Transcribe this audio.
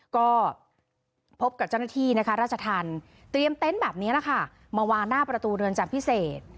ก็พบกับเจ้าหน้าที่นะคะราชธรรมเตรียมเต็นต์แบบนี้แหละค่ะมาวางหน้าประตูเรือนจำพิเศษ